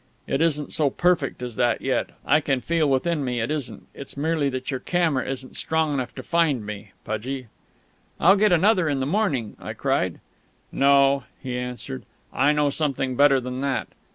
"It isn't so perfect as that yet I can feel within me it isn't. It's merely that your camera isn't strong enough to find me, Pudgie." "I'll get another in the morning," I cried. "No," he answered. "I know something better than that.